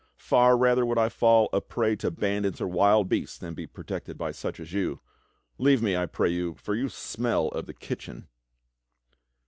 Far rather would I fall a prey to bandits or wild beasts than be protected by such as you. Leave me, I pray you, for you smell of the kitchen."